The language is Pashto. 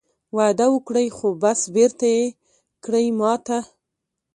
وعده وکړې خو بس بېرته یې کړې ماته